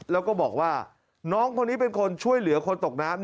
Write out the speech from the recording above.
แล้วก็บอกว่าน้องคนนี้เป็นคนช่วยเหลือคนตกน้ำ